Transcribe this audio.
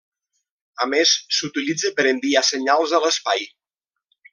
A més, s'utilitza per enviar senyals a l'espai.